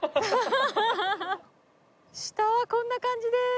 下はこんな感じです。